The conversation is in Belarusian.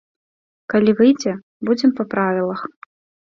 Калі выйдзе, будзем па правілах.